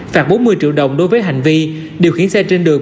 phạt bốn mươi triệu đồng đối với hành vi điều khiển xe trên đường